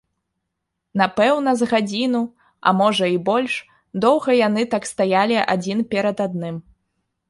Напэўна, з гадзіну, а можа і больш, доўга яны так стаялі адзін перад адным.